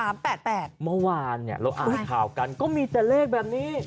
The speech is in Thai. เมื่อวานเราอ่านข่าวกันก็มีแต่เลขแบบนี้